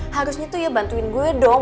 harusnya tuh ya bantuin gue dong